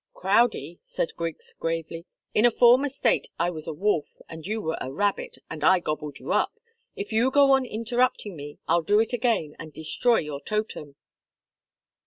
"Crowdie," said Griggs, gravely, "in a former state I was a wolf, and you were a rabbit, and I gobbled you up. If you go on interrupting me, I'll do it again and destroy your Totem."